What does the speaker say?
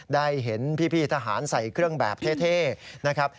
ได้เห็นพี่ทหารใส่เครื่องแบบเท่นะครับ